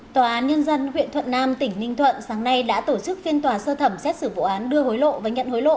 tòa án nhân dân huyện thuận nam tỉnh ninh thuận sáng nay đã tổ chức phiên tòa sơ thẩm xét xử vụ án đưa hối lộ và nhận hối lộ